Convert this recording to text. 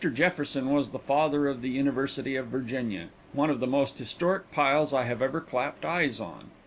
Jefferson was the father of the University of Virginia, one of the most historic piles I have ever clapped eyes on.